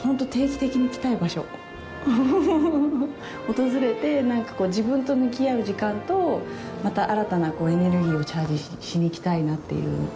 訪れて、自分と向き合う時間とまた新たなエネルギーをチャージしに来たいなっていう。